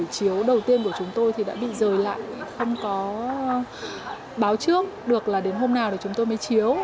chiếu đầu tiên của chúng tôi thì đã bị rời lại không có báo trước được là đến hôm nào thì chúng tôi mới chiếu